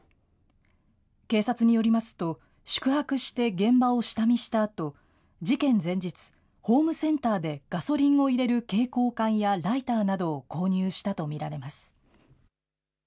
警察によりますと宿泊して現場を下見したあと事件前日、ホームセンターでガソリンを入れる携行缶やライターなどを購入したと見られます。